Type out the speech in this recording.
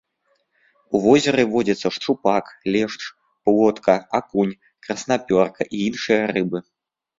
У возеры водзяцца шчупак, лешч, плотка, акунь, краснапёрка і іншыя рыбы.